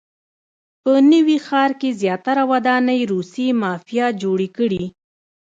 په نوي ښار کې زیاتره ودانۍ روسیې مافیا جوړې کړي.